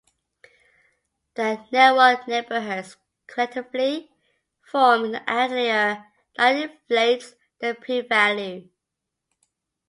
The Newark neighborhoods collectively form an outlier that inflates the P-value.